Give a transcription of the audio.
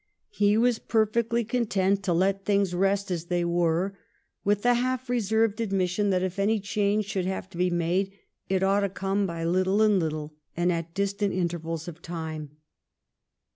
He THE STORY OF GLADSTONE'S LIFE was perfectly contfiit tu let things rest as they were, with the half reserved admission that if any change should have to be made it ought to come by little and lit tle and at distant intervals of time.